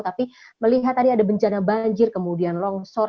tapi melihat tadi ada bencana banjir kemudian longsor